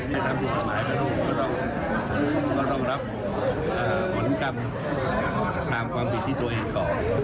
ถ้าทำที่ผ่านหลายก็ต้องรองรับหวันกรรมตามความผิดที่ตัวเองกรอบ